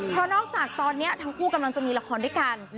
เพราะนอกจากตอนนี้ทั้งคู่กำลังจะมีละครด้วยกัน